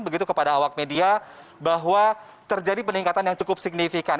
begitu kepada awak media bahwa terjadi peningkatan yang cukup signifikan